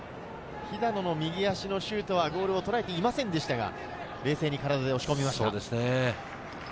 肥田野の右足のシュートはゴールを捉えていませんでしたが冷静に体を押し込みました。